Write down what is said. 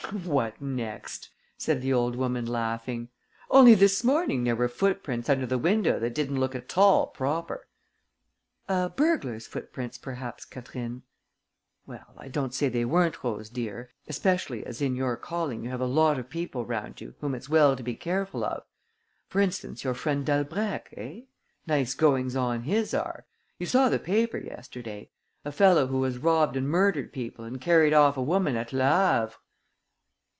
"What next!" said the old woman, laughing. "Only this morning there were footprints under the window that didn't look at all proper!" "A burglar's footprints perhaps, Catherine." "Well, I don't say they weren't, Rose dear, especially as in your calling you have a lot of people round you whom it's well to be careful of. For instance, your friend Dalbrèque, eh? Nice goings on his are! You saw the paper yesterday. A fellow who has robbed and murdered people and carried off a woman at Le Havre